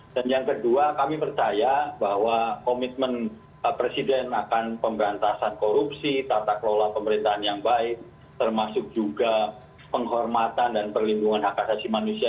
dan yang kedua kami percaya bahwa komitmen presiden akan pemberantasan korupsi tata kelola pemerintahan yang baik termasuk juga penghormatan dan perlindungan hak asasi manusia